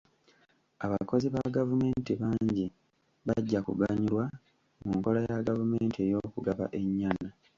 Abakozi ba gavumenti bangi bajja kuganyulwa mu nkola ya gavumenti ey'okugaba ennyana.